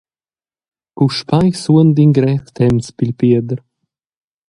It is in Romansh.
Puspei suonda in grev temps pil Pieder.